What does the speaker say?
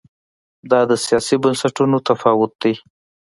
دا د سیاسي بنسټونو تفاوت دی.